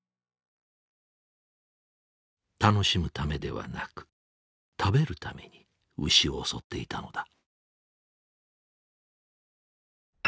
楽しむためではなく食べるために牛を襲っていたのだ。